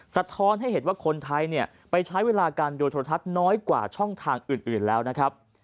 สะท้อนให้เห็นว่าคนไทยเนี่ยไปใช้เวลาการดูโทรทัศน์น้อยกว่าช่องทางอื่นแล้วนะครับ